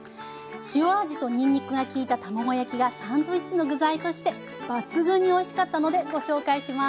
塩味とにんにくがきいた卵焼きがサンドイッチの具材として抜群においしかったのでご紹介します。